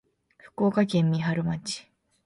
福島県三春町